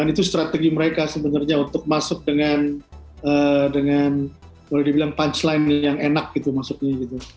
jadi itu strategi mereka sebenarnya untuk masuk dengan boleh dibilang punchline yang enak gitu masuknya gitu